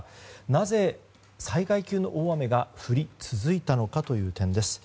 なぜ、災害級の大雨が降り続いたのかという点です。